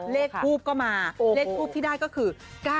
เลขทูบก็มาเลขทูบที่ได้ก็คือ๙๙